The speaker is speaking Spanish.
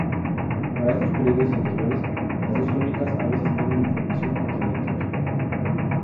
Para estos períodos anteriores, las dos crónicas a veces brindan información contradictoria.